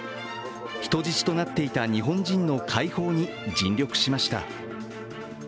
人質となっていた日本人の解放に尽力しました。